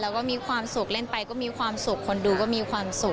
แล้วก็มีความสุขเล่นไปก็มีความสุขคนดูก็มีความสุข